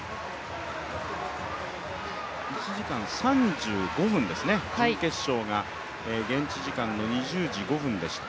１時間３５分ですね、準決勝が現地時間の２０時５分でした。